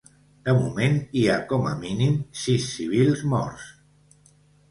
De moment, hi ha com a mínim sis civils morts.